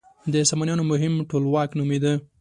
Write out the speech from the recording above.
د سامانیانو مهم ټولواک نومېده.